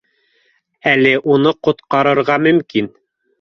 Әле уны ҡотҡарырға мөмкин